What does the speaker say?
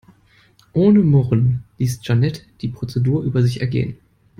Ohne Murren ließ Jeanette die Prozedur über sich ergehen.